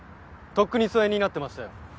とっくに疎遠になってましたよ。